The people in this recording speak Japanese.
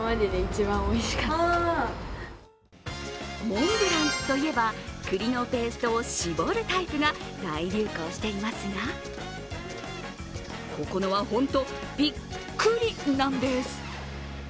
モンブランといえば、栗のペーストを絞るタイプが大流行していますが、ここのは、本当びっくりなんです。